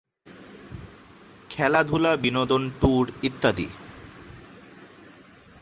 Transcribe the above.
খেলাধুলা, বিনোদন, ট্যুর ইত্যাদি।